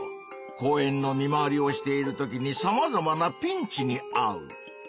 公園の見回りをしているときにさまざまなピンチにあう。